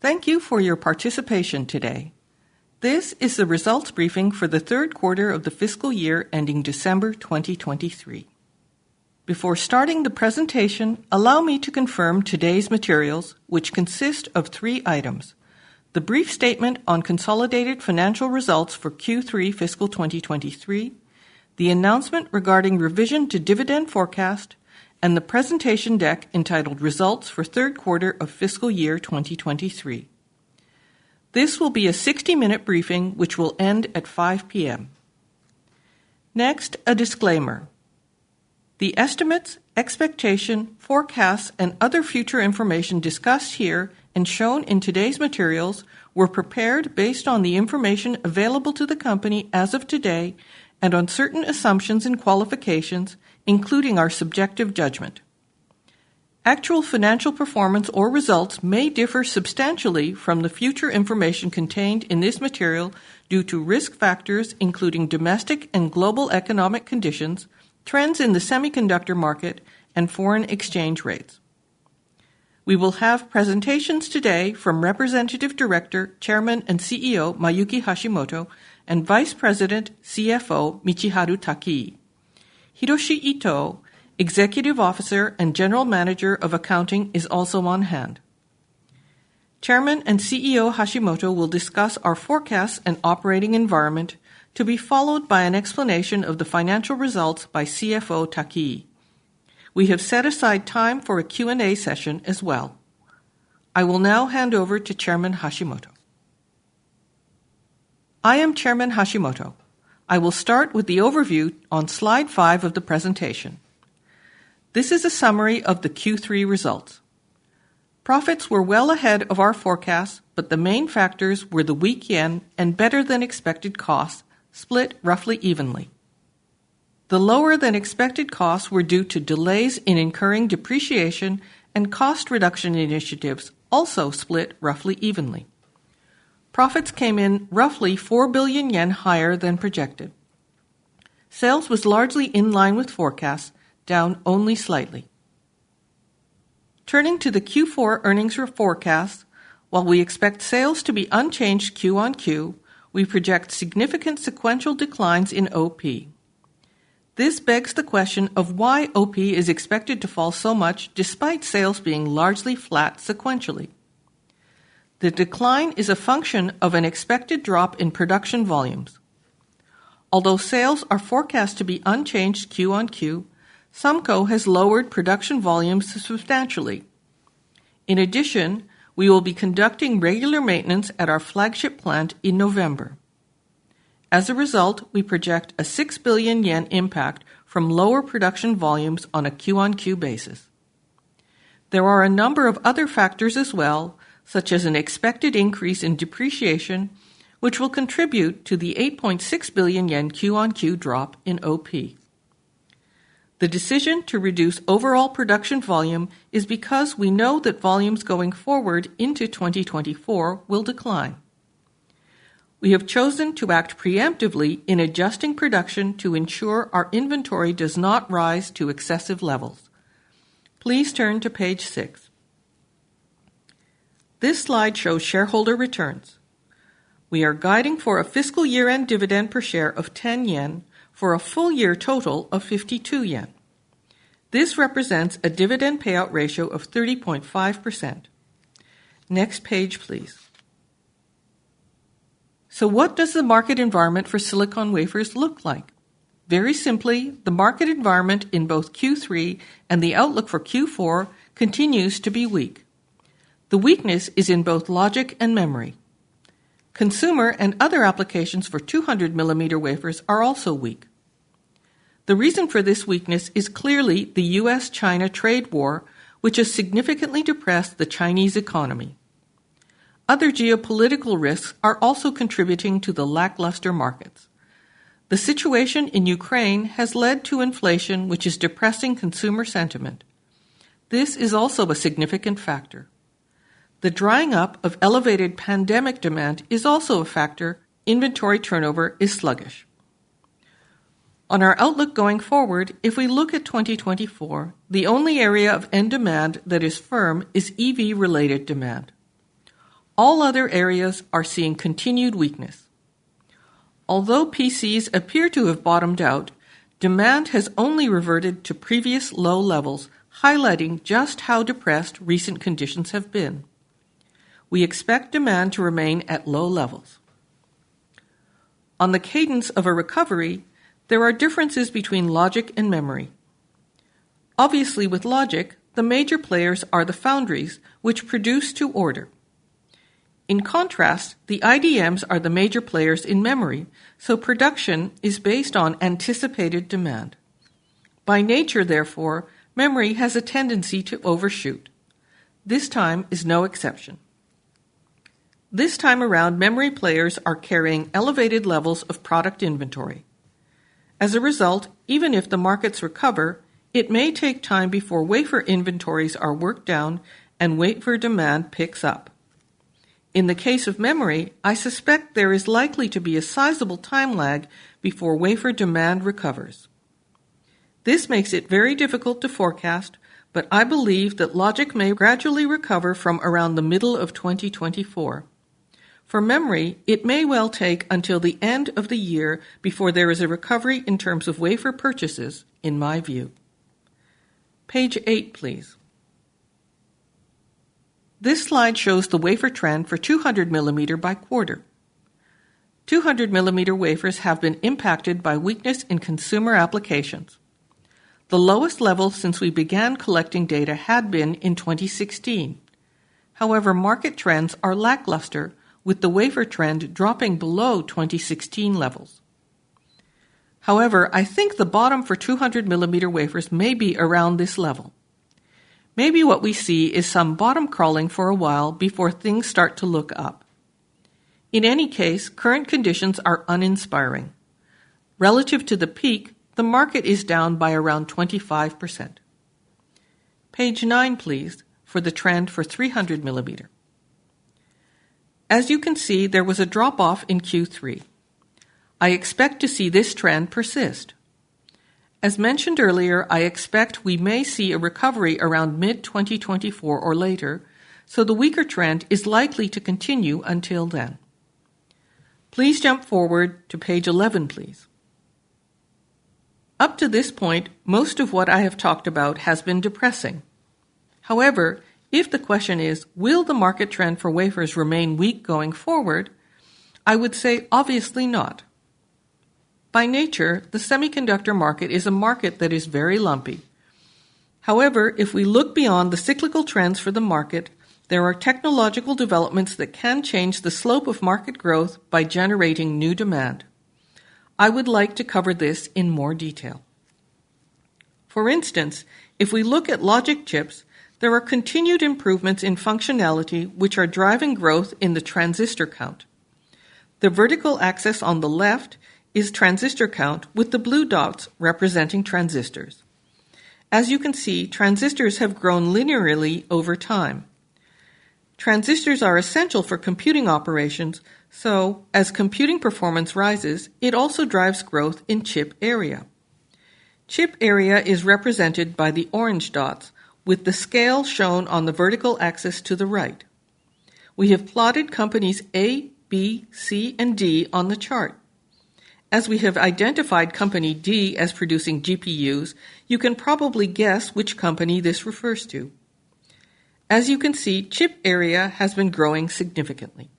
Thank you for your participation today. This is the results briefing for the third quarter of the fiscal year ending December 2023. Before starting the presentation, allow me to confirm today's materials, which consist of three items: the brief statement on consolidated financial results for Q3 fiscal 2023, the announcement regarding revision to dividend forecast, and the presentation deck entitled Results for Third Quarter of Fiscal Year 2023. This will be a 60-minute briefing, which will end at 5:00 P.M. Next, a disclaimer. The estimates, expectations, forecasts, and other future information discussed here and shown in today's materials were prepared based on the information available to the company as of today and on certain assumptions and qualifications, including our subjective judgment. Actual financial performance or results may differ substantially from the future information contained in this material due to risk factors, including domestic and global economic conditions, trends in the semiconductor market, and foreign exchange rates. We will have presentations today from Representative Director, Chairman, and CEO Mayuki Hashimoto, and Vice President, CFO Michiharu Takii. Hiroshi Ito, Executive Officer and General Manager of Accounting, is also on hand. Chairman and CEO Hashimoto will discuss our forecasts and operating environment, to be followed by an explanation of the financial results by CFO Takii. We have set aside time for a Q&A session as well. I will now hand over to Chairman Hashimoto. I am Chairman Hashimoto. I will start with the overview on slide five of the presentation. This is a summary of the Q3 results. Profits were well ahead of our forecast, but the main factors were the weak yen and better-than-expected costs split roughly evenly. The lower-than-expected costs were due to delays in incurring depreciation and cost reduction initiatives, also split roughly evenly. Profits came in roughly 4 billion yen higher than projected. Sales was largely in line with forecasts, down only slightly. Turning to the Q4 earnings or forecast, while we expect sales to be unchanged Q-on-Q, we project significant sequential declines in OP. This begs the question of why OP is expected to fall so much despite sales being largely flat sequentially. The decline is a function of an expected drop in production volumes. Although sales are forecast to be unchanged Q-on-Q, Sumco has lowered production volumes substantially. In addition, we will be conducting regular maintenance at our flagship plant in November. As a result, we project a 6 billion yen impact from lower production volumes on a Q-on-Q basis. There are a number of other factors as well, such as an expected increase in depreciation, which will contribute to the 8.6 billion yen Q-on-Q drop in OP. The decision to reduce overall production volume is because we know that volumes going forward into 2024 will decline. We have chosen to act preemptively in adjusting production to ensure our inventory does not rise to excessive levels. Please turn to page six. This slide shows shareholder returns. We are guiding for a fiscal year-end dividend per share of 10 yen for a full year total of 52 yen. This represents a dividend payout ratio of 30.5%. Next page, please. So what does the market environment for silicon wafers look like? Very simply, the market environment in both Q3 and the outlook for Q4 continues to be weak. The weakness is in both logic and memory. Consumer and other applications for 200 mm wafers are also weak. The reason for this weakness is clearly the U.S.-China trade war, which has significantly depressed the Chinese economy. Other geopolitical risks are also contributing to the lackluster markets. The situation in Ukraine has led to inflation, which is depressing consumer sentiment. This is also a significant factor. The drying up of elevated pandemic demand is also a factor. Inventory turnover is sluggish. On our outlook going forward, if we look at 2024, the only area of end demand that is firm is EV-related demand. All other areas are seeing continued weakness. Although PCs appear to have bottomed out, demand has only reverted to previous low levels, highlighting just how depressed recent conditions have been. We expect demand to remain at low levels. On the cadence of a recovery, there are differences between logic and memory. Obviously, with logic, the major players are the foundries, which produce to order. In contrast, the IDMs are the major players in memory, so production is based on anticipated demand. By nature, therefore, memory has a tendency to overshoot. This time is no exception. This time around, memory players are carrying elevated levels of product inventory. As a result, even if the markets recover, it may take time before wafer inventories are worked down and wafer demand picks up. In the case of memory, I suspect there is likely to be a sizable time lag before wafer demand recovers. This makes it very difficult to forecast, but I believe that logic may gradually recover from around the middle of 2024. For memory, it may well take until the end of the year before there is a recovery in terms of wafer purchases, in my view. Page eight, please. This slide shows the wafer trend for 200 mm by quarter. 200 mm wafers have been impacted by weakness in consumer applications. The lowest level since we began collecting data had been in 2016. However, market trends are lackluster, with the wafer trend dropping below 2016 levels. However, I think the bottom for 200 mm wafers may be around this level. Maybe what we see is some bottom crawling for a while before things start to look up. In any case, current conditions are uninspiring. Relative to the peak, the market is down by around 25%. Page nine, please, for the trend for 300 mm. As you can see, there was a drop-off in Q3. I expect to see this trend persist. As mentioned earlier, I expect we may see a recovery around mid-2024 or later, so the weaker trend is likely to continue until then. Please jump forward to page 11, please. Up to this point, most of what I have talked about has been depressing. However, if the question is: Will the market trend for wafers remain weak going forward? I would say, obviously not. By nature, the semiconductor market is a market that is very lumpy. However, if we look beyond the cyclical trends for the market, there are technological developments that can change the slope of market growth by generating new demand. I would like to cover this in more detail. For instance, if we look at logic chips, there are continued improvements in functionality, which are driving growth in the transistor count. The vertical axis on the left is transistor count, with the blue dots representing transistors. As you can see, transistors have grown linearly over time. Transistors are essential for computing operations, so as computing performance rises, it also drives growth in chip area. Chip area is represented by the orange dots, with the scale shown on the vertical axis to the right. We have plotted companies A, B, C, and D on the chart. As we have identified Company D as producing GPUs, you can probably guess which company this refers to. As you can see, chip area has been growing significantly.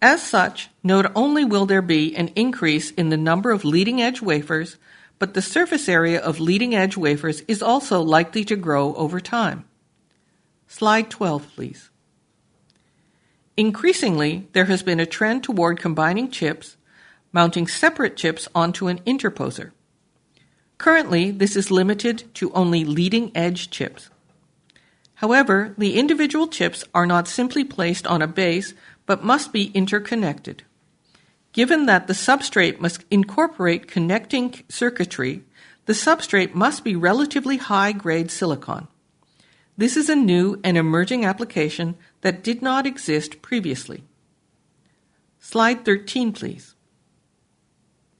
As such, not only will there be an increase in the number of leading-edge wafers, but the surface area of leading-edge wafers is also likely to grow over time. Slide 12, please. Increasingly, there has been a trend toward combining chips, mounting separate chips onto an interposer. Currently, this is limited to only leading-edge chips. However, the individual chips are not simply placed on a base but must be interconnected. Given that the substrate must incorporate connecting circuitry, the substrate must be relatively high-grade silicon. This is a new and emerging application that did not exist previously. Slide 13, please.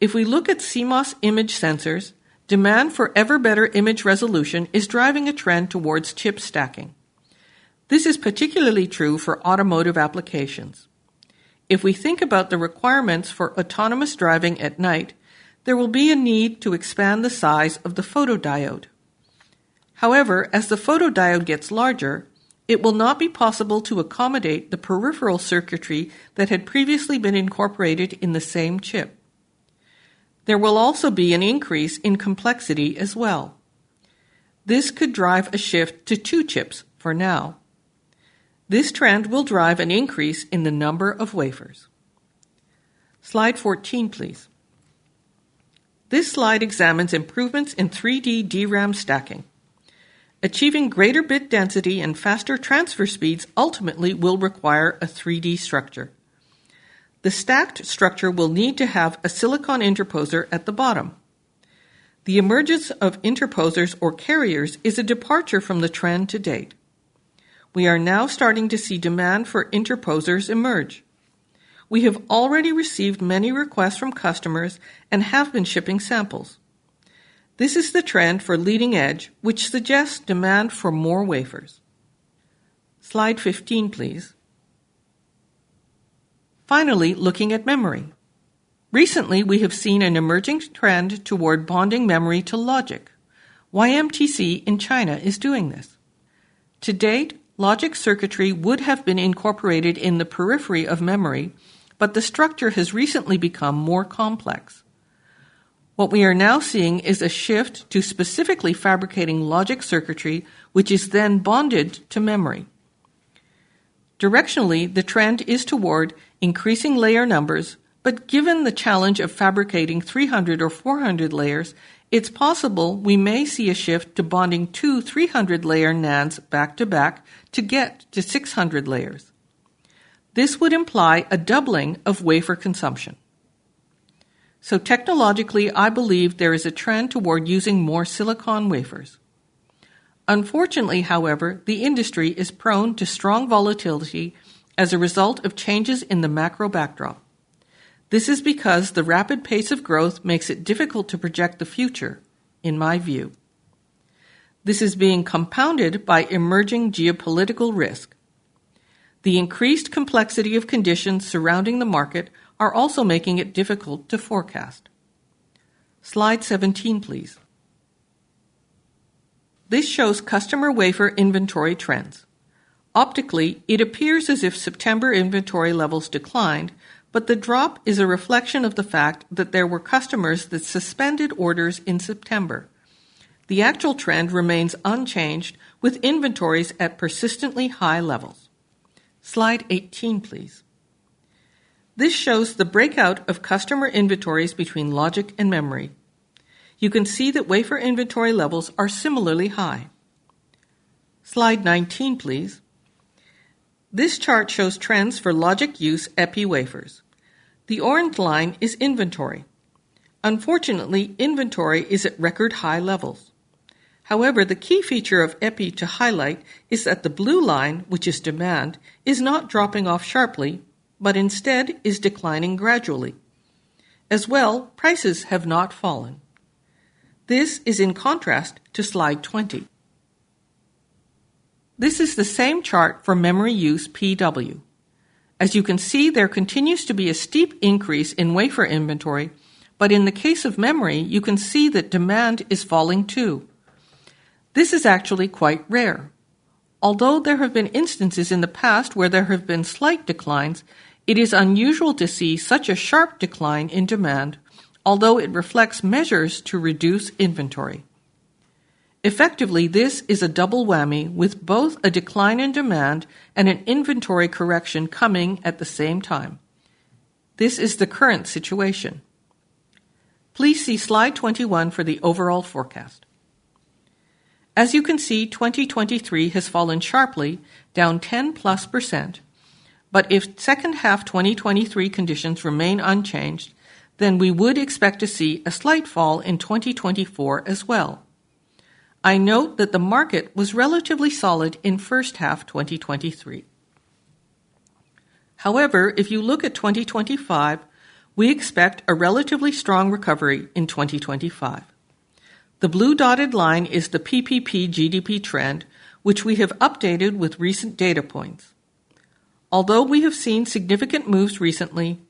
If we look at CMOS image sensors, demand for ever-better image resolution is driving a trend towards chip stacking. This is particularly true for automotive applications. If we think about the requirements for autonomous driving at night, there will be a need to expand the size of the photodiode. However, as the photodiode gets larger, it will not be possible to accommodate the peripheral circuitry that had previously been incorporated in the same chip. There will also be an increase in complexity as well. This could drive a shift to two chips for now. This trend will drive an increase in the number of wafers. Slide 14, please. This slide examines improvements in 3D DRAM stacking. Achieving greater bit density and faster transfer speeds ultimately will require a 3D structure. The stacked structure will need to have a silicon interposer at the bottom. The emergence of interposers or carriers is a departure from the trend to date. We are now starting to see demand for interposers emerge. We have already received many requests from customers and have been shipping samples. This is the trend for leading edge, which suggests demand for more wafers. Slide 15, please. Finally, looking at memory. Recently, we have seen an emerging trend toward bonding memory to logic. YMTC in China is doing this. To date, logic circuitry would have been incorporated in the periphery of memory, but the structure has recently become more complex. What we are now seeing is a shift to specifically fabricating logic circuitry, which is then bonded to memory. Directionally, the trend is toward increasing layer numbers, but given the challenge of fabricating 300 or 400 layers, it's possible we may see a shift to bonding 200-300 layer NANDs back-to-back to get to 600 layers. This would imply a doubling of wafer consumption. So technologically, I believe there is a trend toward using more silicon wafers. Unfortunately, however, the industry is prone to strong volatility as a result of changes in the macro backdrop. This is because the rapid pace of growth makes it difficult to project the future, in my view. This is being compounded by emerging geopolitical risk. The increased complexity of conditions surrounding the market are also making it difficult to forecast. Slide 17, please. This shows customer wafer inventory trends. Optically, it appears as if September inventory levels declined, but the drop is a reflection of the fact that there were customers that suspended orders in September. The actual trend remains unchanged, with inventories at persistently high levels. Slide 18, please. This shows the breakout of customer inventories between logic and memory. You can see that wafer inventory levels are similarly high. Slide 19, please. This chart shows trends for logic use epi wafers. The orange line is inventory. Unfortunately, inventory is at record high levels. However, the key feature of Epi to highlight is that the blue line, which is demand, is not dropping off sharply, but instead is declining gradually. As well, prices have not fallen. This is in contrast to slide 20. This is the same chart for memory use PW. As you can see, there continues to be a steep increase in wafer inventory, but in the case of memory, you can see that demand is falling, too. This is actually quite rare. Although there have been instances in the past where there have been slight declines, it is unusual to see such a sharp decline in demand, although it reflects measures to reduce inventory. Effectively, this is a double whammy, with both a decline in demand and an inventory correction coming at the same time. This is the current situation. Please see slide 21 for the overall forecast. As you can see, 2023 has fallen sharply, down 10%+, but if second half 2023 conditions remain unchanged, then we would expect to see a slight fall in 2024 as well. I note that the market was relatively solid in first half 2023. However, if you look at 2025, we expect a relatively strong recovery in 2025. The blue dotted line is the PPP GDP trend, which we have updated with recent data points. Although we have seen significant moves recently,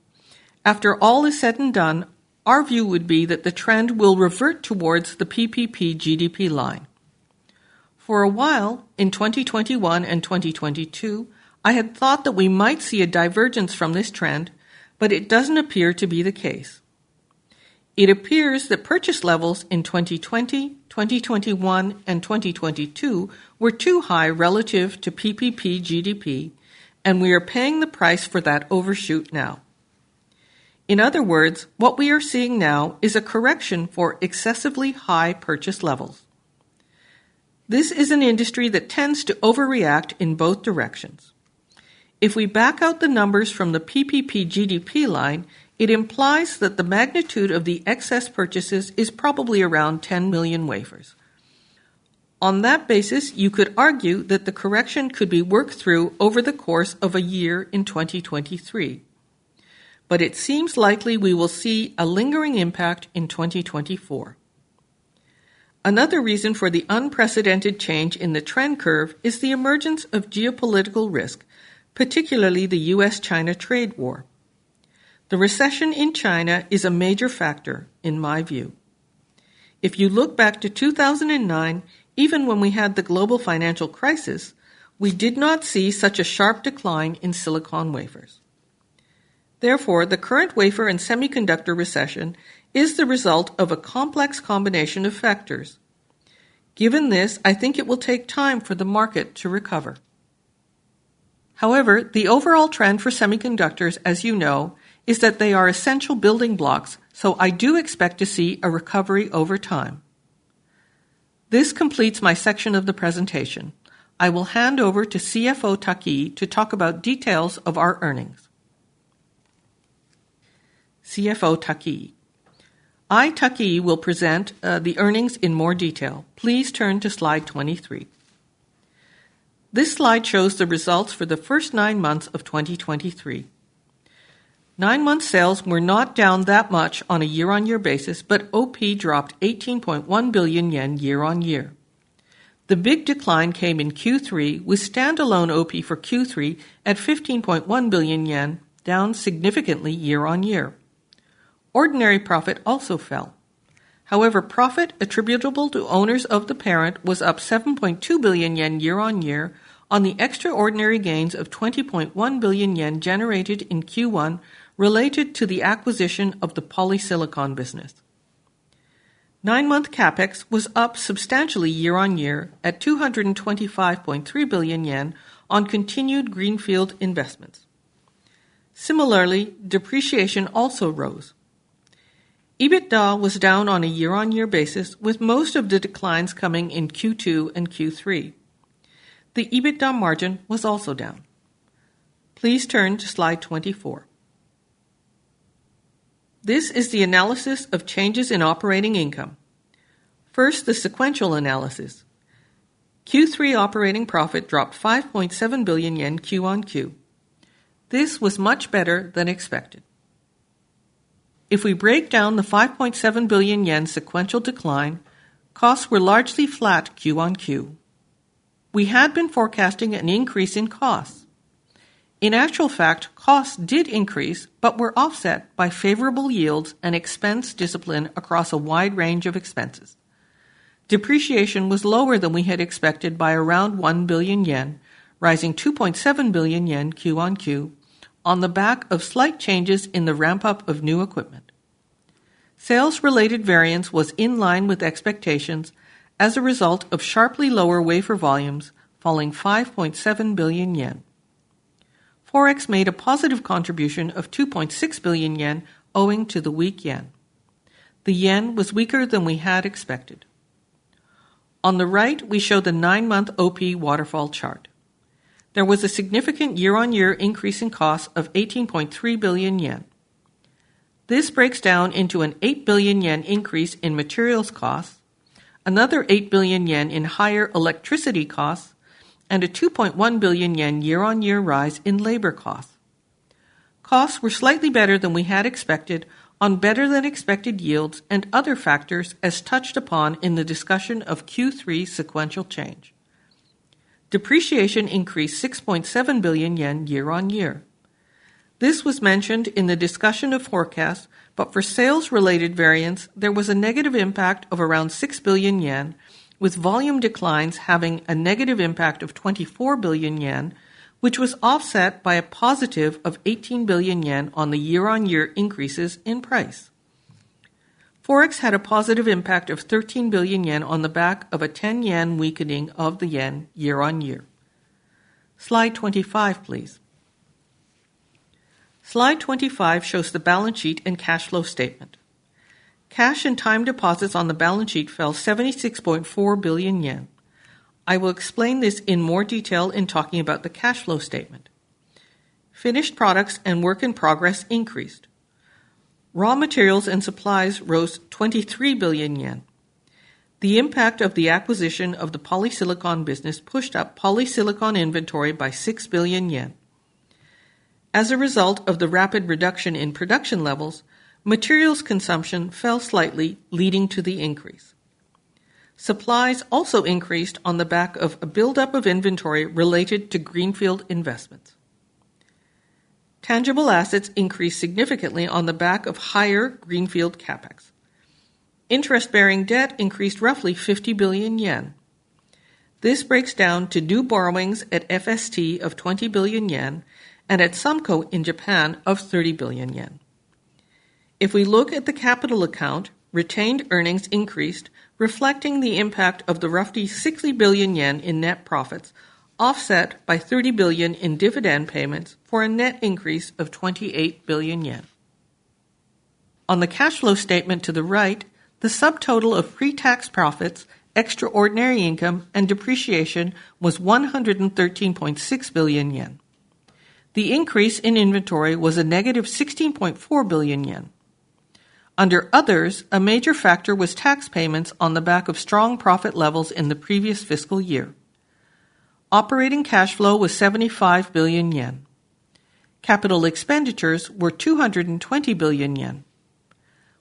after all is said and done, our view would be that the trend will revert towards the PPP GDP line. For a while, in 2021 and 2022, I had thought that we might see a divergence from this trend, but it doesn't appear to be the case. It appears that purchase levels in 2020, 2021, and 2022 were too high relative to PPP GDP, and we are paying the price for that overshoot now. In other words, what we are seeing now is a correction for excessively high purchase levels. This is an industry that tends to overreact in both directions. If we back out the numbers from the PPP GDP line, it implies that the magnitude of the excess purchases is probably around 10 million wafers. On that basis, you could argue that the correction could be worked through over the course of a year in 2023, but it seems likely we will see a lingering impact in 2024. Another reason for the unprecedented change in the trend curve is the emergence of geopolitical risk, particularly the U.S.-China trade war. The recession in China is a major factor, in my view. If you look back to 2009, even when we had the global financial crisis, we did not see such a sharp decline in silicon wafers. Therefore, the current wafer and semiconductor recession is the result of a complex combination of factors. Given this, I think it will take time for the market to recover. However, the overall trend for semiconductors, as you know, is that they are essential building blocks, so I do expect to see a recovery over time. This completes my section of the presentation. I will hand over to CFO Takii to talk about details of our earnings. CFO Takii. I, Takii, will present, the earnings in more detail. Please turn to slide 23. This slide shows the results for the first nine months of 2023. Nine month sales were not down that much on a year-on-year basis, but OP dropped 18.1 billion yen year-on-year. The big decline came in Q3, with standalone OP for Q3 at 15.1 billion yen, down significantly year-on-year. Ordinary profit also fell. However, profit attributable to owners of the parent was up 7.2 billion yen year-on-year on the extraordinary gains of 20.1 billion yen generated in Q1 related to the acquisition of the polysilicon business. Nine month CapEx was up substantially year-on-year at 225.3 billion yen on continued greenfield investments. Similarly, depreciation also rose. EBITDA was down on a year-on-year basis, with most of the declines coming in Q2 and Q3. The EBITDA margin was also down. Please turn to slide 24. This is the analysis of changes in operating income. First, the sequential analysis. Q3 operating profit dropped 5.7 billion yen Q-on-Q. This was much better than expected. If we break down the 5.7 billion yen sequential decline, costs were largely flat Q-on-Q. We had been forecasting an increase in costs. In actual fact, costs did increase, but were offset by favorable yields and expense discipline across a wide range of expenses. Depreciation was lower than we had expected by around 1 billion yen, rising 2.7 billion yen Q-on-Q, on the back of slight changes in the ramp-up of new equipment. Sales-related variance was in line with expectations as a result of sharply lower wafer volumes, falling 5.7 billion yen. Forex made a positive contribution of 2.6 billion yen, owing to the weak yen. The yen was weaker than we had expected. On the right, we show the nine-month OP waterfall chart. There was a significant year-on-year increase in cost of 18.3 billion yen. This breaks down into a 8 billion yen increase in materials costs, another 8 billion yen in higher electricity costs, and a 2.1 billion yen year-on-year rise in labor costs. Costs were slightly better than we had expected on better-than-expected yields and other factors as touched upon in the discussion of Q3 sequential change. Depreciation increased 6.7 billion yen year-on-year. This was mentioned in the discussion of forecast, but for sales-related variance, there was a negative impact of around 6 billion yen, with volume declines having a negative impact of 24 billion yen, which was offset by a positive of 18 billion yen on the year-on-year increases in price. Forex had a positive impact of 13 billion yen on the back of a 10 yen weakening of the yen year-on-year. Slide 25, please. Slide 25 shows the balance sheet and cash flow statement. Cash and time deposits on the balance sheet fell 76.4 billion yen. I will explain this in more detail in talking about the cash flow statement. Finished products and work in progress increased. Raw materials and supplies rose 23 billion yen. The impact of the acquisition of the polysilicon business pushed up polysilicon inventory by 6 billion yen. As a result of the rapid reduction in production levels, materials consumption fell slightly, leading to the increase. Supplies also increased on the back of a buildup of inventory related to greenfield investments. Tangible assets increased significantly on the back of higher greenfield CapEx. Interest-bearing debt increased roughly 50 billion yen. This breaks down to new borrowings at FST of 20 billion yen and at SUMCO in Japan of 30 billion yen. If we look at the capital account, retained earnings increased, reflecting the impact of the roughly 60 billion yen in net profits, offset by 30 billion in dividend payments for a net increase of 28 billion yen. On the cash flow statement to the right, the subtotal of pre-tax profits, extraordinary income, and depreciation was 113.6 billion yen. The increase in inventory was a negative 16.4 billion yen. Under others, a major factor was tax payments on the back of strong profit levels in the previous fiscal year. Operating cash flow was 75 billion yen. Capital expenditures were 220 billion yen.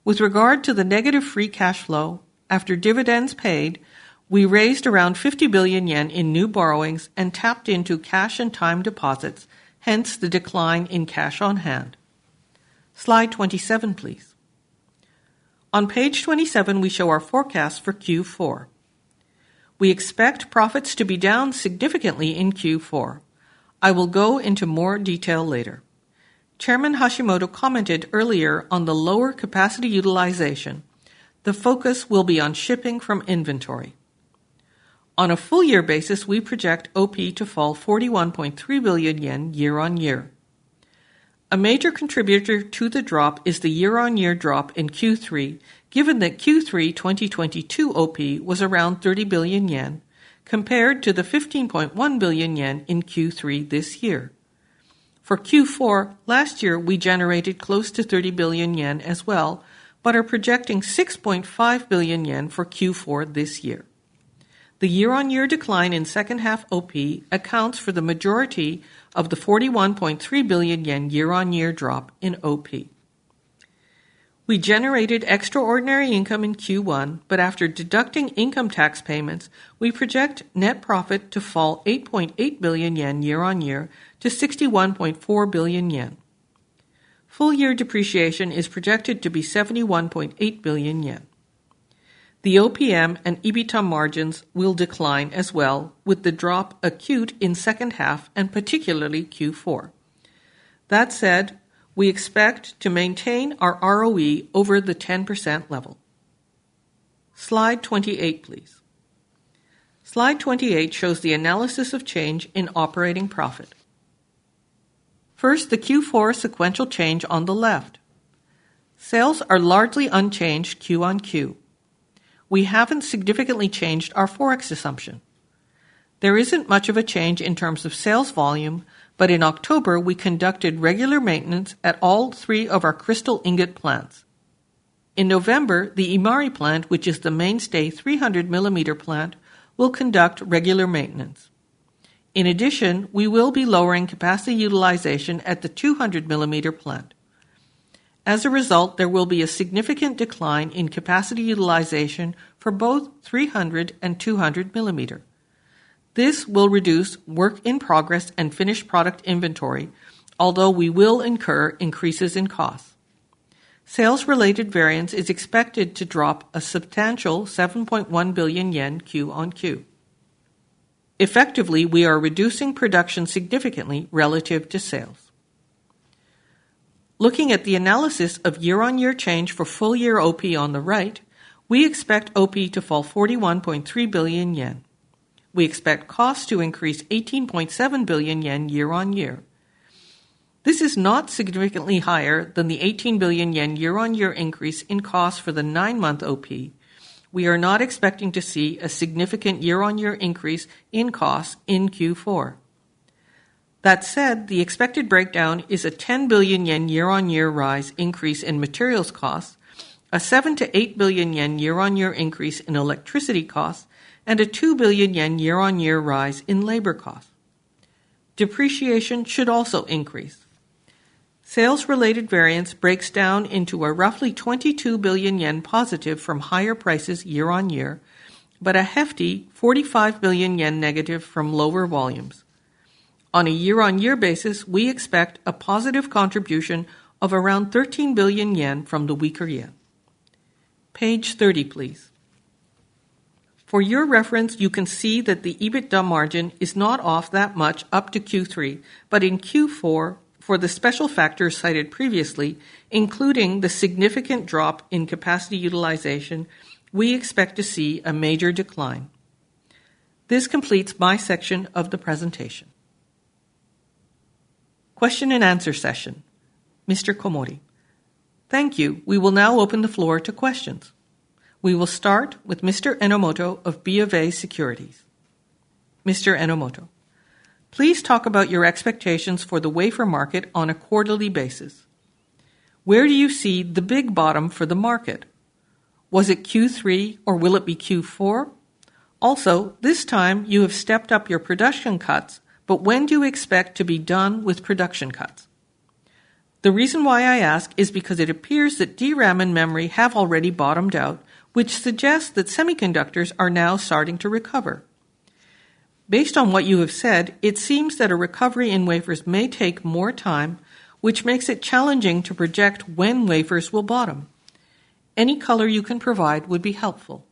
With regard to the negative free cash flow, after dividends paid, we raised around 50 billion yen in new borrowings and tapped into cash and time deposits, hence the decline in cash on hand. Slide 27, please. On page 27, we show our forecast for Q4. We expect profits to be down significantly in Q4. I will go into more detail later. Chairman Hashimoto commented earlier on the lower capacity utilization. The focus will be on shipping from inventory. On a full year basis, we project OP to fall 41.3 billion yen year-on-year. A major contributor to the drop is the year-on-year drop in Q3, given that Q3 2022 OP was around 30 billion yen, compared to the 15.1 billion yen in Q3 this year. For Q4, last year, we generated close to 30 billion yen as well, but are projecting 6.5 billion yen for Q4 this year. The year-on-year decline in second half OP accounts for the majority of the 41.3 billion yen year-on-year drop in OP. We generated extraordinary income in Q1, but after deducting income tax payments, we project net profit to fall 8.8 billion yen year-on-year to 61.4 billion yen. Full year depreciation is projected to be 71.8 billion yen. The OPM and EBITDA margins will decline as well, with the drop acute in second half and particularly Q4. That said, we expect to maintain our ROE over the 10% level. Slide 28, please. Slide 28 shows the analysis of change in operating profit. First, the Q4 sequential change on the left. Sales are largely unchanged Q-on-Q. We haven't significantly changed our Forex assumption. There isn't much of a change in terms of sales volume, but in October, we conducted regular maintenance at all three of our crystal ingot plants. In November, the Imari plant, which is the mainstay 300 mm plant, will conduct regular maintenance. In addition, we will be lowering capacity utilization at the 200 mm plant. As a result, there will be a significant decline in capacity utilization for both 300 and 200 mm. This will reduce work in progress and finished product inventory, although we will incur increases in costs. Sales-related variance is expected to drop a substantial 7.1 billion yen Q-on-Q. Effectively, we are reducing production significantly relative to sales. Looking at the analysis of year-on-year change for full-year OP on the right, we expect OP to fall 41.3 billion yen. We expect costs to increase 18.7 billion yen year-on-year. This is not significantly higher than the 18 billion yen year-on-year increase in costs for the nine-month OP. We are not expecting to see a significant year-on-year increase in costs in Q4. That said, the expected breakdown is a 10 billion yen year-on-year rise increase in materials costs, a 7 billion-8 billion yen year-on-year increase in electricity costs, and a 2 billion yen year-on-year rise in labor costs. Depreciation should also increase. Sales-related variance breaks down into a roughly 22 billion yen positive from higher prices year-on-year, but a hefty 45 billion yen negative from lower volumes. On a year-on-year basis, we expect a positive contribution of around 13 billion yen from the weaker yen. Page 30, please. For your reference, you can see that the EBITDA margin is not off that much up to Q3, but in Q4, for the special factors cited previously, including the significant drop in capacity utilization, we expect to see a major decline. This completes my section of the presentation. Question and answer session. Mr. Komori. Thank you. We will now open the floor to questions. We will start with Mr. Enomoto of BofA Securities. Mr. Enomoto. Please talk about your expectations for the wafer market on a quarterly basis. Where do you see the big bottom for the market? Was it Q3, or will it be Q4? Also, this time you have stepped up your production cuts, but when do you expect to be done with production cuts? The reason why I ask is because it appears that DRAM and memory have already bottomed out, which suggests that semiconductors are now starting to recover. Based on what you have said, it seems that a recovery in wafers may take more time, which makes it challenging to project when wafers will bottom. Any color you can provide would be helpful.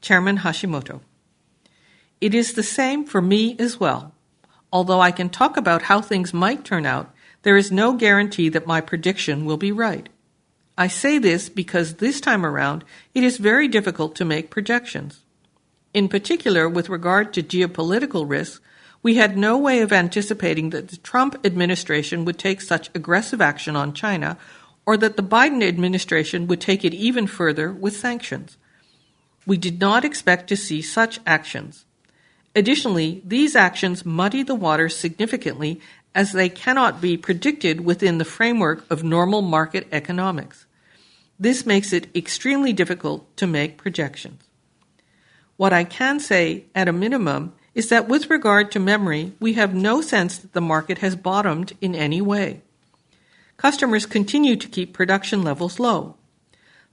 Chairman Hashimoto. it is the same for me as well. Although I can talk about how things might turn out, there is no guarantee that my prediction will be right. I say this because this time around, it is very difficult to make projections. In particular, with regard to geopolitical risks, we had no way of anticipating that the Trump administration would take such aggressive action on China, or that the Biden administration would take it even further with sanctions. We did not expect to see such actions. Additionally, these actions muddy the water significantly as they cannot be predicted within the framework of normal market economics. This makes it extremely difficult to make projections. What I can say, at a minimum, is that with regard to memory, we have no sense that the market has bottomed in any way. Customers continue to keep production levels low.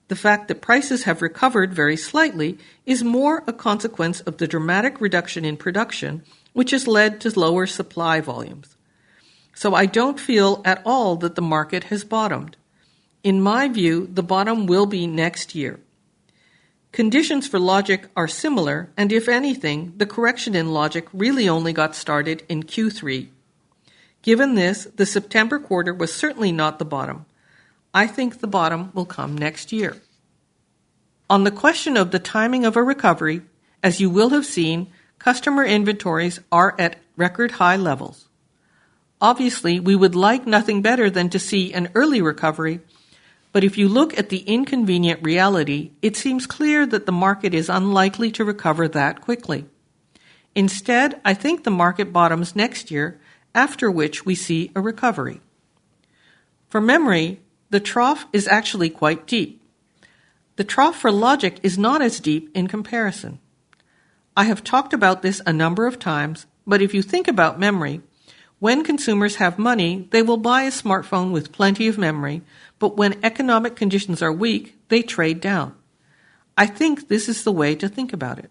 The fact that prices have recovered very slightly is more a consequence of the dramatic reduction in production, which has led to lower supply volumes. So I don't feel at all that the market has bottomed. In my view, the bottom will be next year. Conditions for logic are similar, and if anything, the correction in logic really only got started in Q3. Given this, the September quarter was certainly not the bottom. I think the bottom will come next year. On the question of the timing of a recovery, as you will have seen, customer inventories are at record high levels. Obviously, we would like nothing better than to see an early recovery, but if you look at the inconvenient reality, it seems clear that the market is unlikely to recover that quickly. Instead, I think the market bottoms next year, after which we see a recovery. For memory, the trough is actually quite deep. The trough for logic is not as deep in comparison. I have talked about this a number of times, but if you think about memory, when consumers have money, they will buy a smartphone with plenty of memory, but when economic conditions are weak, they trade down. I think this is the way to think about it.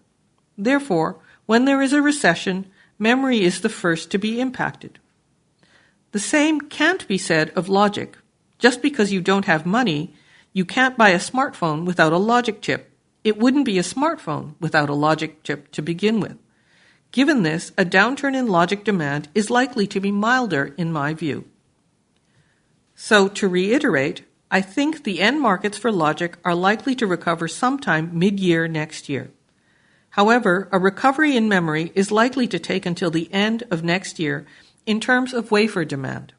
Therefore, when there is a recession, memory is the first to be impacted. The same can't be said of logic. Just because you don't have money, you can't buy a smartphone without a logic chip. It wouldn't be a smartphone without a logic chip to begin with. Given this, a downturn in logic demand is likely to be milder, in my view. So to reiterate, I think the end markets for logic are likely to recover sometime mid-year next year. However, a recovery in memory is likely to take until the end of next year in terms of wafer demand.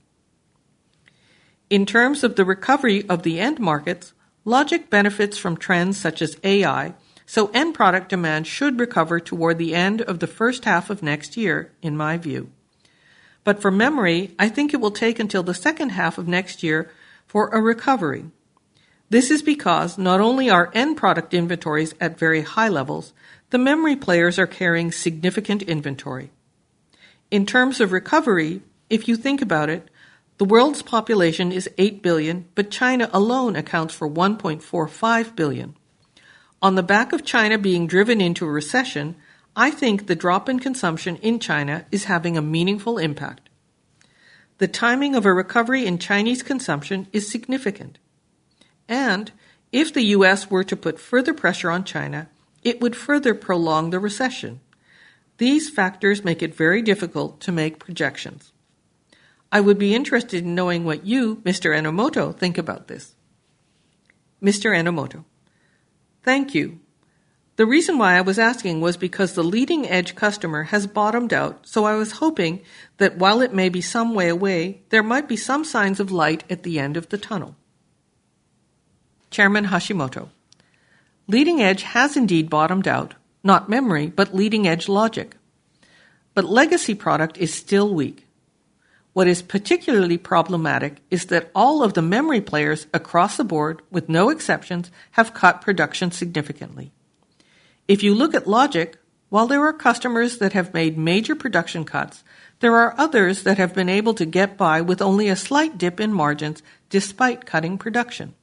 In terms of the recovery of the end markets, logic benefits from trends such as AI, so end product demand should recover toward the end of the first half of next year, in my view. But for memory, I think it will take until the second half of next year for a recovery. This is because not only are end product inventories at very high levels, the memory players are carrying significant inventory. In terms of recovery, if you think about it, the world's population is 8 billion, but China alone accounts for 1.45 billion. On the back of China being driven into a recession, I think the drop in consumption in China is having a meaningful impact. The timing of a recovery in Chinese consumption is significant, and if the US were to put further pressure on China, it would further prolong the recession. These factors make it very difficult to make projections. I would be interested in knowing what you, Mr. Enomoto, think about this. Mr. Enomoto. Thank you. The reason why I was asking was because the leading-edge customer has bottomed out, so I was hoping that while it may be some way away, there might be some signs of light at the end of the tunnel. Chairman Hashimoto Leading edge has indeed bottomed out, not memory, but leading-edge logic. But legacy product is still weak. What is particularly problematic is that all of the memory players across the board, with no exceptions, have cut production significantly. If you look at logic, while there are customers that have made major production cuts, there are others that have been able to get by with only a slight dip in margins despite cutting production.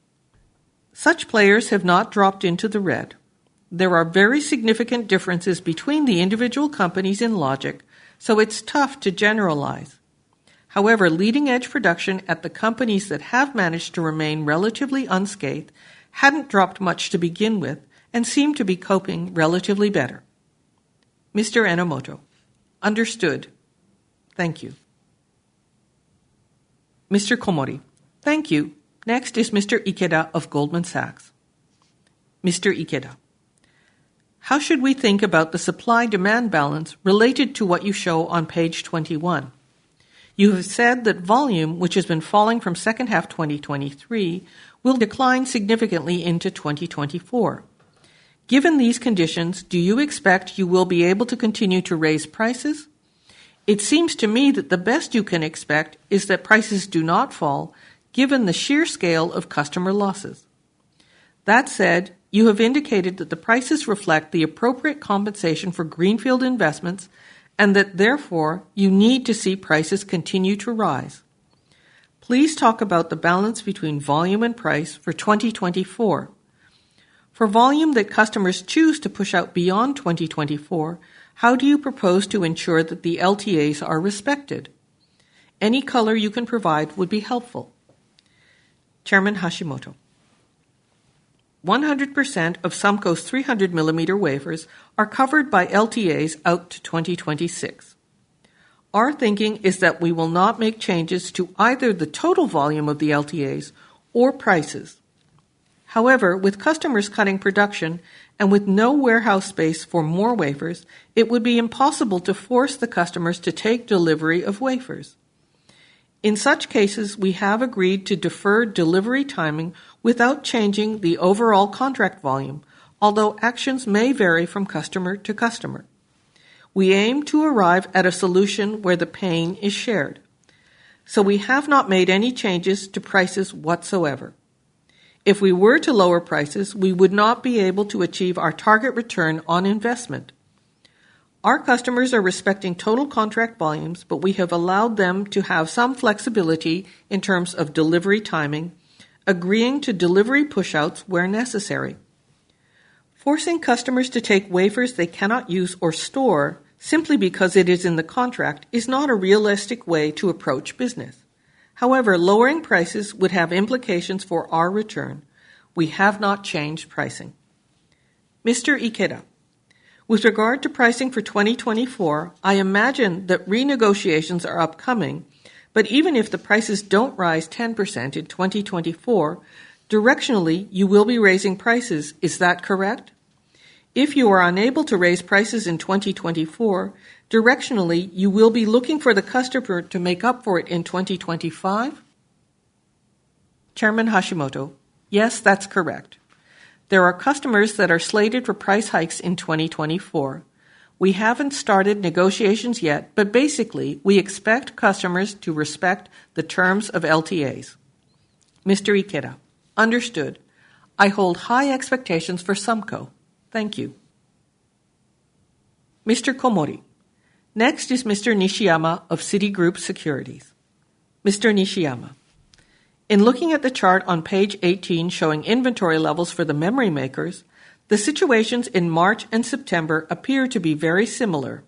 Such players have not dropped into the red. There are very significant differences between the individual companies in logic, so it's tough to generalize. However, leading-edge production at the companies that have managed to remain relatively unscathed hadn't dropped much to begin with and seem to be coping relatively better. Mr. Enomoto: Understood. Thank you. Mr. Komori. Thank you. Next is Mr. Ikeda of Goldman Sachs. Mr. Ikeda. How should we think about the supply-demand balance related to what you show on page 21? You have said that volume, which has been falling from second half 2023, will decline significantly into 2024. Given these conditions, do you expect you will be able to continue to raise prices? It seems to me that the best you can expect is that prices do not fall, given the sheer scale of customer losses. That said, you have indicated that the prices reflect the appropriate compensation for greenfield investments and that, therefore, you need to see prices continue to rise. Please talk about the balance between volume and price for 2024. For volume that customers choose to push out beyond 2024, how do you propose to ensure that the LTAs are respected? Any color you can provide would be helpful. Chairman Hashimoto. 100% of SUMCO's 300 mm wafers are covered by LTAs out to 2026. Our thinking is that we will not make changes to either the total volume of the LTAs or prices. However, with customers cutting production and with no warehouse space for more wafers, it would be impossible to force the customers to take delivery of wafers. In such cases, we have agreed to defer delivery timing without changing the overall contract volume, although actions may vary from customer to customer. We aim to arrive at a solution where the pain is shared, so we have not made any changes to prices whatsoever. If we were to lower prices, we would not be able to achieve our target return on investment. Our customers are respecting total contract volumes, but we have allowed them to have some flexibility in terms of delivery timing, agreeing to delivery pushouts where necessary. Forcing customers to take wafers they cannot use or store simply because it is in the contract is not a realistic way to approach business. However, lowering prices would have implications for our return. We have not changed pricing. Mr. Ikeda. With regard to pricing for 2024, I imagine that renegotiations are upcoming, but even if the prices don't rise 10% in 2024, directionally, you will be raising prices. Is that correct? If you are unable to raise prices in 2024, directionally, you will be looking for the customer to make up for it in 2025? Chairman Hashimoto. Yes, that's correct. There are customers that are slated for price hikes in 2024. We haven't started negotiations yet, but basically, we expect customers to respect the terms of LTAs. Mr. Ikeda. Understood. I hold high expectations for SUMCO. Thank you. Mr. Komori. Next is Mr. Nishiyama of Citigroup Securities. Mr. Nishiyama. In looking at the chart on page 18 showing inventory levels for the memory makers, the situations in March and September appear to be very similar.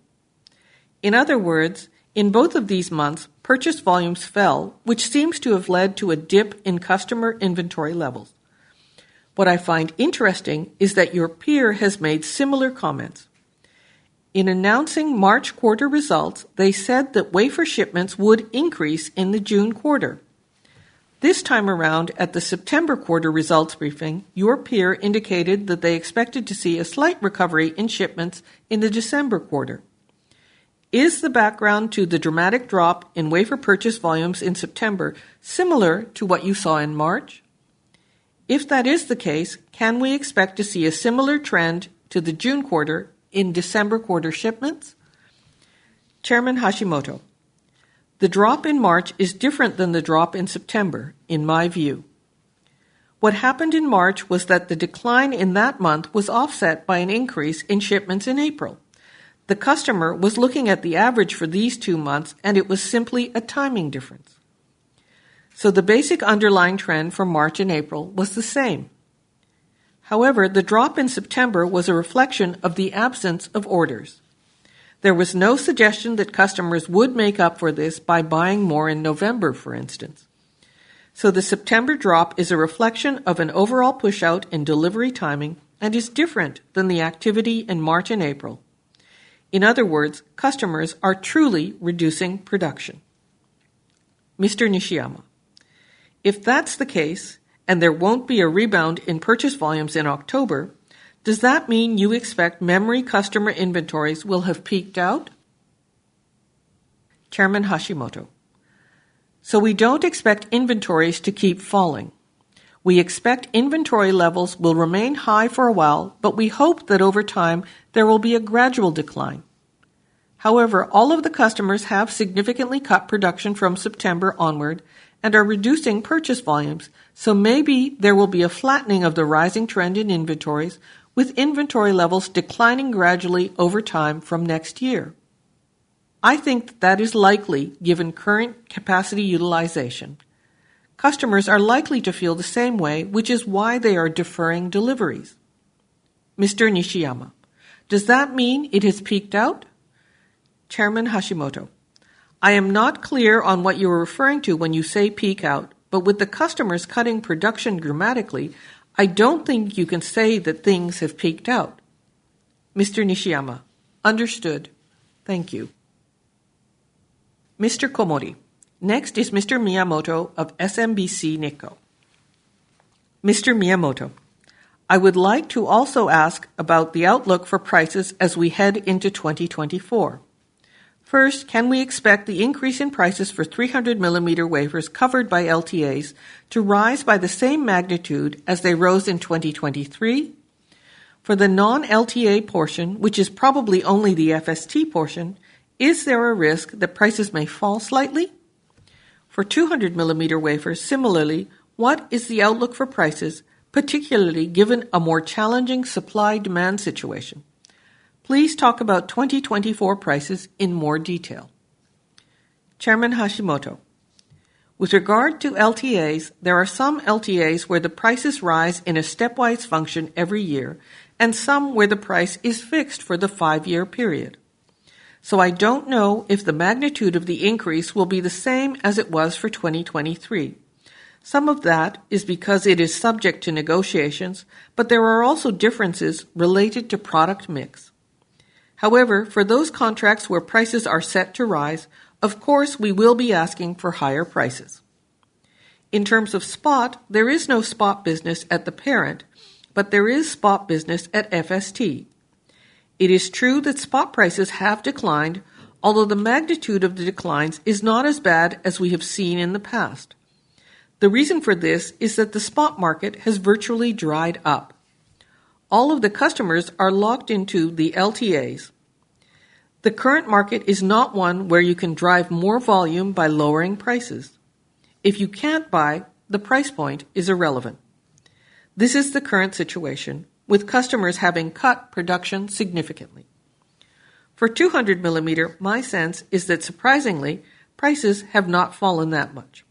In other words, in both of these months, purchase volumes fell, which seems to have led to a dip in customer inventory levels. What I find interesting is that your peer has made similar comments. In announcing March quarter results, they said that wafer shipments would increase in the June quarter. This time around, at the September quarter results briefing, your peer indicated that they expected to see a slight recovery in shipments in the December quarter. Is the background to the dramatic drop in wafer purchase volumes in September similar to what you saw in March? If that is the case, can we expect to see a similar trend to the June quarter in December quarter shipments? Chairman Hashimoto. The drop in March is different than the drop in September, in my view. What happened in March was that the decline in that month was offset by an increase in shipments in April. The customer was looking at the average for these two months, and it was simply a timing difference. So the basic underlying trend for March and April was the same. However, the drop in September was a reflection of the absence of orders. There was no suggestion that customers would make up for this by buying more in November, for instance. So the September drop is a reflection of an overall pushout in delivery timing and is different than the activity in March and April. In other words, customers are truly reducing production. Mr. Nishiyama. If that's the case, and there won't be a rebound in purchase volumes in October, does that mean you expect memory customer inventories will have peaked out? Chairman Hashimoto. So we don't expect inventories to keep falling. We expect inventory levels will remain high for a while, but we hope that over time there will be a gradual decline. However, all of the customers have significantly cut production from September onward and are reducing purchase volumes, so maybe there will be a flattening of the rising trend in inventories, with inventory levels declining gradually over time from next year. I think that is likely given current capacity utilization. Customers are likely to feel the same way, which is why they are deferring deliveries. Mr. Nishiyama. Does that mean it has peaked out? Chairman Hashimoto. I am not clear on what you are referring to when you say peak out, but with the customers cutting production dramatically, I don't think you can say that things have peaked out. Mr. Nishiyama. Understood. Thank you. Mr. Komori. Next is Mr. Miyamoto of SMBC Nikko. Mr. Miyamoto. I would like to also ask about the outlook for prices as we head into 2024. First, can we expect the increase in prices for 300 mm wafers covered by LTAs to rise by the same magnitude as they rose in 2023? For the non-LTA portion, which is probably only the FST portion, is there a risk that prices may fall slightly? For 200 mm wafers, similarly, what is the outlook for prices, particularly given a more challenging supply-demand situation? Please talk about 2024 prices in more detail. Chairman Hashimoto. With regard to LTAs, there are some LTAs where the prices rise in a stepwise function every year and some where the price is fixed for the five year period. So I don't know if the magnitude of the increase will be the same as it was for 2023. Some of that is because it is subject to negotiations, but there are also differences related to product mix. However, for those contracts where prices are set to rise, of course, we will be asking for higher prices. In terms of spot, there is no spot business at the parent, but there is spot business at FST. It is true that spot prices have declined, although the magnitude of the declines is not as bad as we have seen in the past. The reason for this is that the spot market has virtually dried up. All of the customers are locked into the LTAs. The current market is not one where you can drive more volume by lowering prices. If you can't buy, the price point is irrelevant. This is the current situation, with customers having cut production significantly. For 200 mm, my sense is that surprisingly, prices have not fallen that much.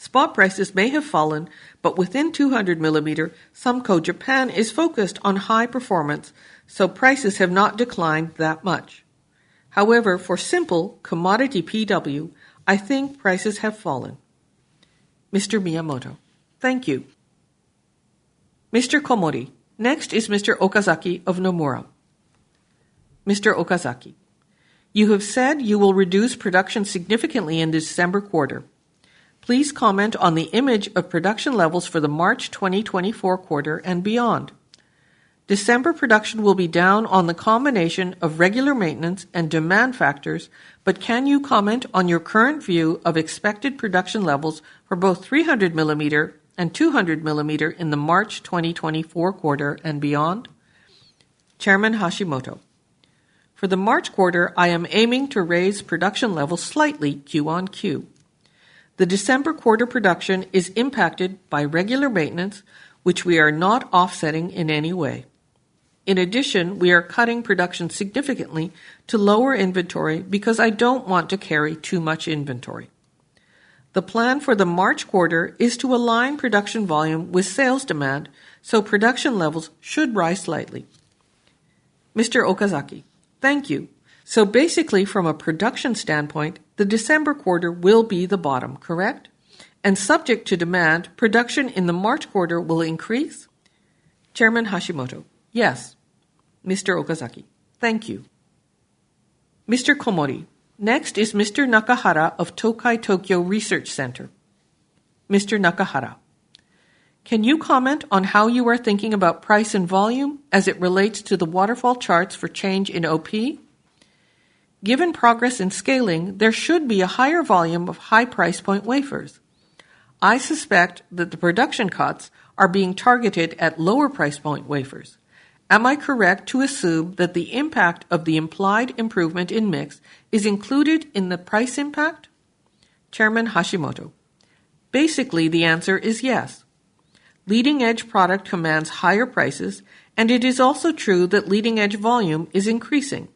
Spot prices may have fallen, but within 200 mm, SUMCO Japan is focused on high performance, so prices have not declined that much. However, for simple commodity PW, I think prices have fallen. Mr. Miyamoto. Thank you. Mr. Komori. Next is Mr. Okazaki of Nomura. Mr. Okazaki. You have said you will reduce production significantly in the December quarter. Please comment on the image of production levels for the March 2024 quarter and beyond. December production will be down on the combination of regular maintenance and demand factors, but can you comment on your current view of expected production levels for both 300 mm and 200 mm in the March 2024 quarter and beyond? Chairman Hashimoto. For the March quarter, I am aiming to raise production levels slightly Q-on-Q. The December quarter production is impacted by regular maintenance, which we are not offsetting in any way. In addition, we are cutting production significantly to lower inventory because I don't want to carry too much inventory. The plan for the March quarter is to align production volume with sales demand, so production levels should rise slightly. Mr. Okazaki. Thank you. So basically, from a production standpoint, the December quarter will be the bottom, correct? And subject to demand, production in the March quarter will increase? Chairman Hashimoto. Yes. Mr. Okazaki. Thank you. Mr. Komori. Next is Mr. Nakahara of Tokai Tokyo Research Center. Mr. Nakahara. Can you comment on how you are thinking about price and volume as it relates to the waterfall charts for change in OP? Given progress in scaling, there should be a higher volume of high price point wafers. I suspect that the production cuts are being targeted at lower price point wafers. Am I correct to assume that the impact of the implied improvement in mix is included in the price impact? Chairman Hashimoto. Basically, the answer is yes. Leading-edge product commands higher prices, and it is also true that leading-edge volume is increasing.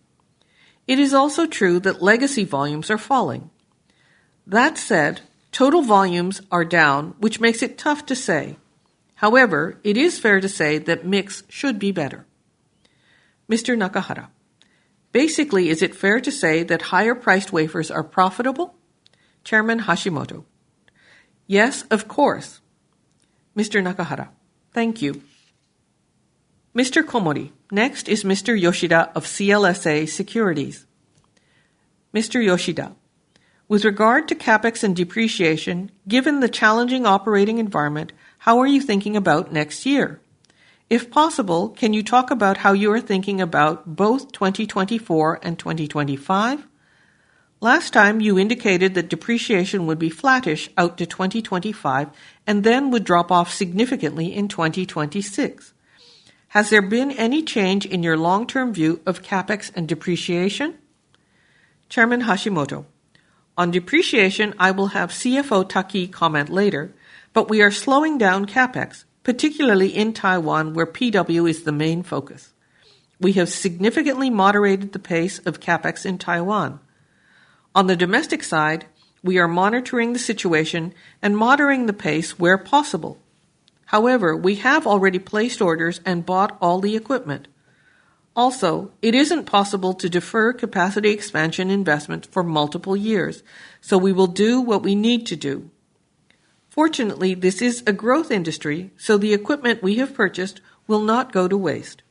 It is also true that legacy volumes are falling. That said, total volumes are down, which makes it tough to say. However, it is fair to say that mix should be better. Mr. Nakahara. Basically, is it fair to say that higher priced wafers are profitable? Chairman Hashimoto. Yes, of course. Mr. Nakahara. Thank you. Mr. Komori. Next is Mr. Yoshida of CLSA Securities. Mr. Yoshida. With regard to CapEx and depreciation, given the challenging operating environment, how are you thinking about next year? If possible, can you talk about how you are thinking about both 2024 and 2025? Last time, you indicated that depreciation would be flattish out to 2025, and then would drop off significantly in 2026. Has there been any change in your long-term view of CapEx and depreciation? Chairman Hashimoto. On depreciation, I will have CFO Takii comment later, but we are slowing down CapEx, particularly in Taiwan, where PW is the main focus. We have significantly moderated the pace of CapEx in Taiwan. On the domestic side, we are monitoring the situation and moderating the pace where possible. However, we have already placed orders and bought all the equipment. Also, it isn't possible to defer capacity expansion investment for multiple years, so we will do what we need to do. Fortunately, this is a growth industry, so the equipment we have purchased will not go to waste.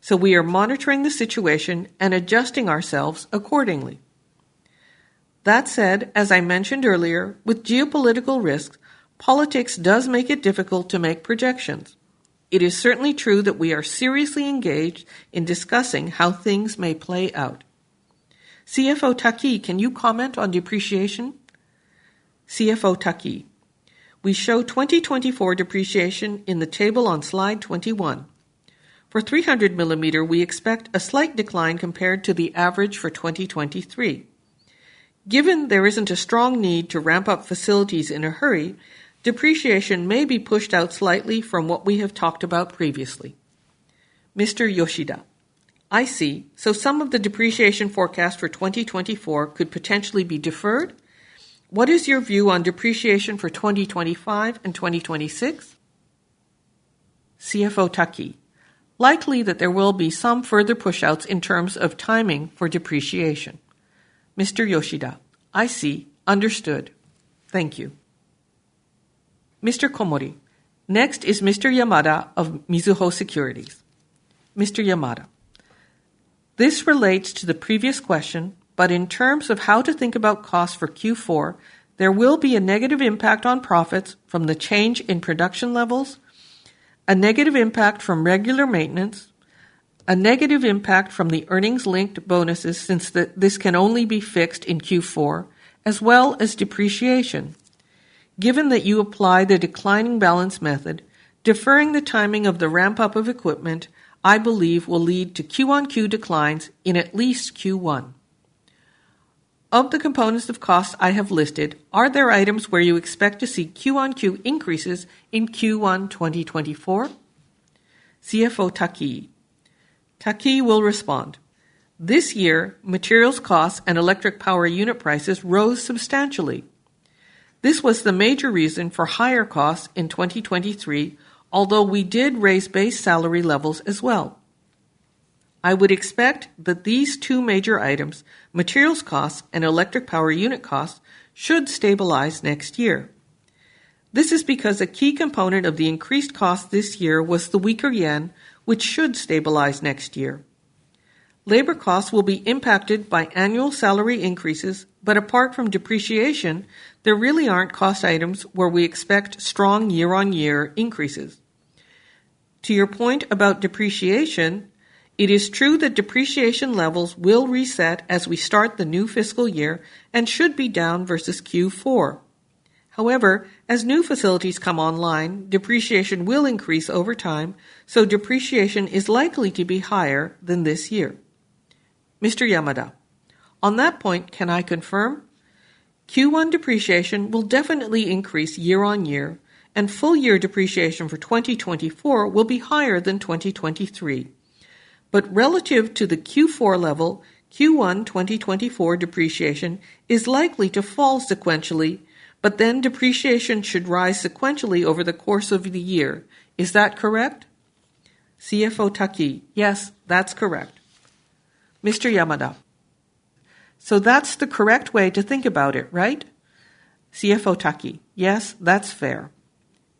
So we are monitoring the situation and adjusting ourselves accordingly. That said, as I mentioned earlier, with geopolitical risks, politics does make it difficult to make projections. It is certainly true that we are seriously engaged in discussing how things may play out. CFO Takii, can you comment on depreciation? CFO Takii. We show 2024 depreciation in the table on slide 21. For 300 mm, we expect a slight decline compared to the average for 2023. Given there isn't a strong need to ramp up facilities in a hurry, depreciation may be pushed out slightly from what we have talked about previously. Mr. Yoshida. I see. So some of the depreciation forecast for 2024 could potentially be deferred? What is your view on depreciation for 2025 and 2026? CFO Takii. Likely that there will be some further push outs in terms of timing for depreciation. Mr. Yoshida. I see. Understood. Thank you. Mr. Komori. Next is Mr. Yamada of Mizuho Securities. Mr. Yamada. This relates to the previous question, but in terms of how to think about costs for Q4, there will be a negative impact on profits from the change in production levels, a negative impact from regular maintenance, a negative impact from the earnings-linked bonuses since this can only be fixed in Q4, as well as depreciation. Given that you apply the declining balance method, deferring the timing of the ramp-up of equipment, I believe, will lead to Q-on-Q declines in at least Q1. Of the components of costs I have listed, are there items where you expect to see Q-on-Q increases in Q1 2024? CFO Takii. Takii will respond. This year, materials costs and electric power unit prices rose substantially. This was the major reason for higher costs in 2023, although we did raise base salary levels as well. I would expect that these two major items, materials costs and electric power unit costs, should stabilize next year. This is because a key component of the increased cost this year was the weaker yen, which should stabilize next year. Labor costs will be impacted by annual salary increases, but apart from depreciation, there really aren't cost items where we expect strong year-on-year increases. To your point about depreciation, it is true that depreciation levels will reset as we start the new fiscal year and should be down versus Q4. However, as new facilities come online, depreciation will increase over time, so depreciation is likely to be higher than this year. Mr. Yamada. On that point, can I confirm? Q1 depreciation will definitely increase year-on-year, and full year depreciation for 2024 will be higher than 2023. But relative to the Q4 level, Q1 2024 depreciation is likely to fall sequentially, but then depreciation should rise sequentially over the course of the year. Is that correct? CFO Takii. Yes, that's correct. Mr. Yamada. So that's the correct way to think about it, right? CFO Takii. Yes, that's fair.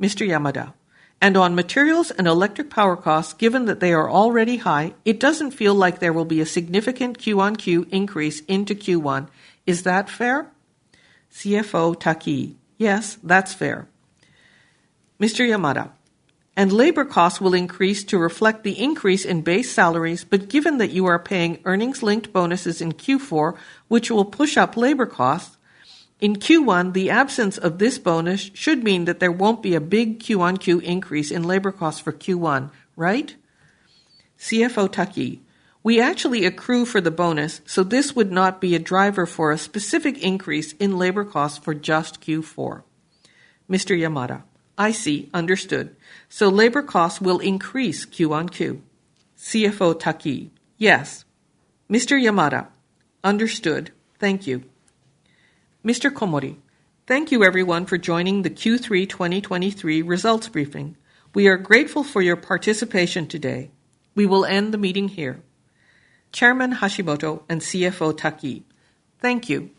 Mr. Yamada. And on materials and electric power costs, given that they are already high, it doesn't feel like there will be a significant Q-on-Q increase into Q1. Is that fair? CFO Takii. Yes, that's fair. Mr. Yamada: Labor costs will increase to reflect the increase in base salaries, but given that you are paying earnings-linked bonuses in Q4, which will push up labor costs, in Q1, the absence of this bonus should mean that there won't be a big Q-on-Q increase in labor costs for Q1, right? CFO Takii. We actually accrue for the bonus, so this would not be a driver for a specific increase in labor costs for just Q4. Mr. Yamada. I see. Understood. So labor costs will increase Q-on-Q? CFO Takii. Yes. Mr. Yamada. Understood. Thank you. Mr. Komori. Thank you everyone for joining the Q3 2023 results briefing. We are grateful for your participation today. We will end the meeting here. Chairman Hashimoto and CFO Taki, thank you.